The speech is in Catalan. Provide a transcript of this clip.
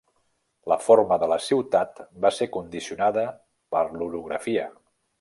La forma de la ciutat va ser condicionada per l'orografia.